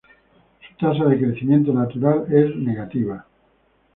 Su tasa de crecimiento natural es negativa.